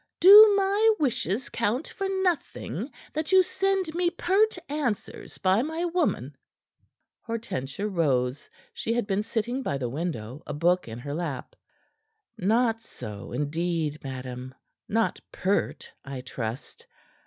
"Do my wishes count for nothing, that you send me pert answers by my woman?" Hortensia rose. She had been sitting by the window, a book in her lap. "Not so, indeed, madam. Not pert, I trust.